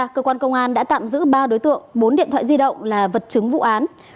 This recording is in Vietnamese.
cơ quan công an đã tạm giữ ba đối tượng bốn điện thoại di động là vật chứng vụ án